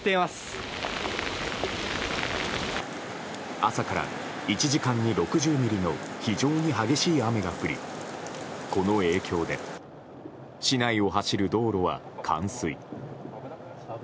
朝から１時間に６０ミリの非常に激しい雨が降りこの影響で市内を走る道路は冠水。